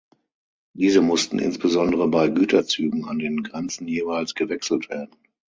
Diese mussten insbesondere bei Güterzügen an den Grenzen jeweils gewechselt werden.